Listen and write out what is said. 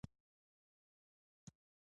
د خزانې ساتنه د ټولو دنده ده.